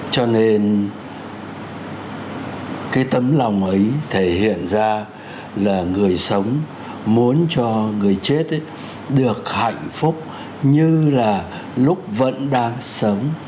cho nên cái tấm lòng ấy thể hiện ra là người sống muốn cho người chết được hạnh phúc như là lúc vẫn đang sống